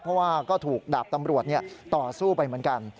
เพราะว่าก็ถูกดาบตำรวจต่อสู้ไปเหมือนกัน